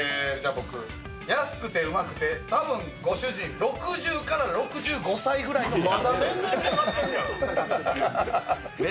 安くてウマくて、多分ご主人６０６５歳くらいの店。